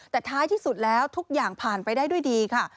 แต่ท้ายที่สุดแล้วทุกอย่างผ่านไปได้ด้วยดีค่ะ